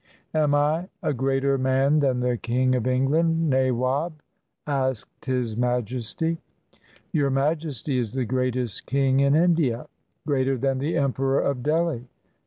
"Am I a greater man than the King of England, nawab?" asked His Majesty. "Your Majesty is the greatest king in India — greater than the Emperor of Delhi.